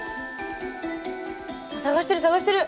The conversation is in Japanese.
探してる探してる。